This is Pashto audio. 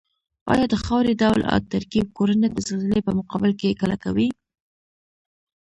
ایا د خاورې ډول او ترکیب کورنه د زلزلې په مقابل کې کلکوي؟